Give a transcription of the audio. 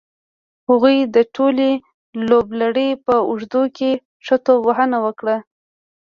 هغوی د ټولې لوبلړۍ په اوږدو کې ښه توپ وهنه وکړه.